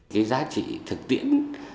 cái giá trị thực tiễn